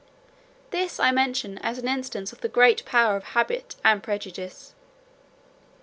This I mention as an instance of the great power of habit and prejudice.